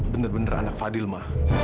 benar benar anak fadil mah